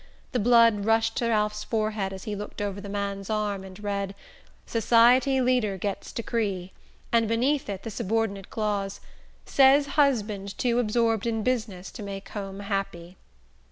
The blood rushed to Ralph's forehead as he looked over the man's arm and read: "Society Leader Gets Decree," and beneath it the subordinate clause: "Says Husband Too Absorbed In Business To Make Home Happy."